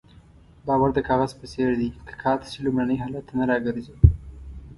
باور د کاغذ په څېر دی که قات شي لومړني حالت ته نه راګرځي.